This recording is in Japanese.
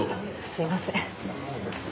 すいません。